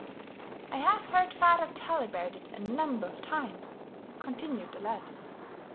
"I've heard father tell about it a number of times," continued the lad.